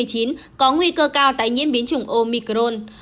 có nguy cơ cao tái nhiễm biến chủng omicron